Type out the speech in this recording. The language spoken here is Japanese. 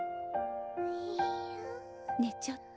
寝ちゃった。